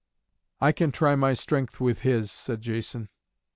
"I can try my strength with his," said Jason.